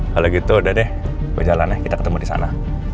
kalo gitu udah deh gue jalan ya kita ketemu disana